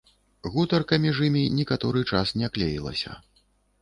Гутарка між імі некаторы час не клеілася.